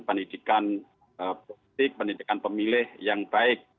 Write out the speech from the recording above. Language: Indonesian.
pendidikan politik pendidikan pemilih yang baik